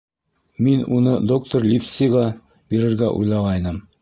— Мин уны доктор Ливсиға бирергә уйлағайным...